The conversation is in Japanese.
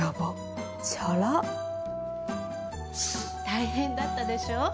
大変だったでしょう？